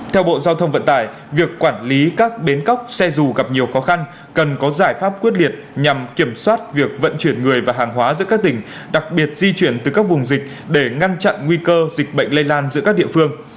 theo bộ giao thông vận tải việc quản lý các bến cóc xe dù gặp nhiều khó khăn cần có giải pháp quyết liệt nhằm kiểm soát việc vận chuyển người và hàng hóa giữa các tỉnh đặc biệt di chuyển từ các vùng dịch để ngăn chặn nguy cơ dịch bệnh lây lan giữa các địa phương